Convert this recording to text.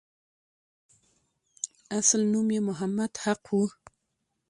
اصل نوم یې محمد حق وو.